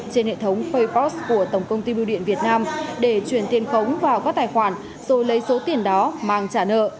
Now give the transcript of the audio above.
trên hệ thống facebook của tổng công ty biêu điện việt nam để truyền tiền khống vào các tài khoản rồi lấy số tiền đó mang trả nợ